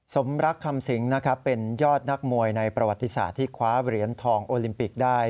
สมรักคำสิงนะครับเป็นยอดนักมวยในประวัติศาสตร์ที่คว้าเหรียญทองโอลิมปิกได้